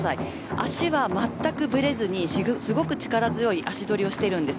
足はまったくぶれずにすごく力強い足取りをしています。